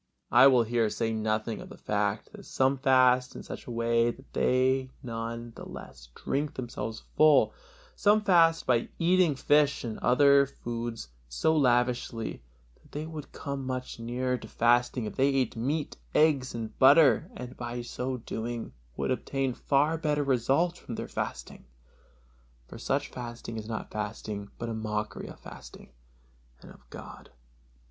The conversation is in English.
I will here say nothing of the fact that some fast in such a way that they none the less drink themselves full; some fast by eating fish and other foods so lavishly that they would come much nearer to fasting if they ate meat, eggs and butter, and by so doing would obtain far better results from their fasting. For such fasting is not fasting, but a mockery of fasting and of God.